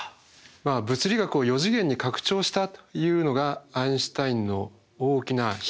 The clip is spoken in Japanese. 物理学を４次元に拡張したというのがアインシュタインの大きな飛躍でしたね。